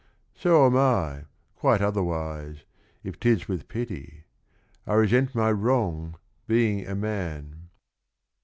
So am I, quite otherwise, If ' t is with pity. I resent my wrong, Being a man?